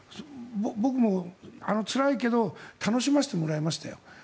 僕もつらいけど楽しませてもらいましたよ。